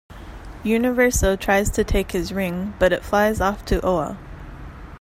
Universo tries to take his ring, but it flies off to Oa.